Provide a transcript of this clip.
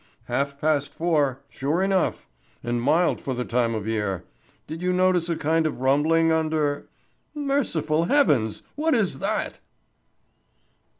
"Half past four, sure enough, and mild for the time of year. Did you notice a kind of rumbling under Merciful Heavens, what is that?"